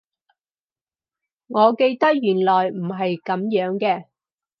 我記得原來唔係噉樣嘅